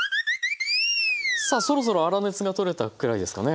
さあそろそろ粗熱が取れたくらいですかね。